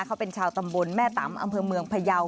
เขาเป็นชาวตำบลแม่ตำอำเภอเมืองพยาว